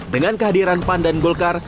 dengan kehadiran pan dan golkar